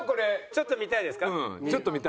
ちょっと見たいですか？